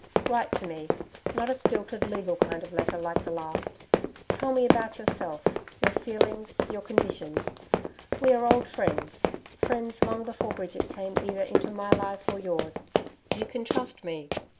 Write to me not a stilted, legal kind of letter like the last. Tell me about yourself your feelings, your conditions. We are old friends friends long before Bridget came either into my life or yours. You can trust me.